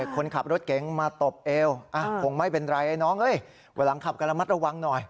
คนขับรถเก๋งมาตบเอวคงไม่เป็นไรไอ้น้องเวลาหลังขับกันระมัดระวังหน่อย